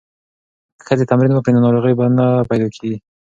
که ښځې تمرین وکړي نو ناروغۍ به نه پیدا کیږي.